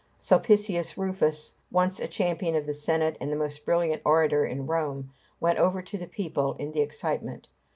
Sulpicius Rufus, once a champion of the Senate and the most brilliant orator in Rome, went over to the people in the excitement.